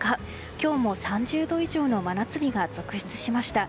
今日も３０度以上の真夏日が続出しました。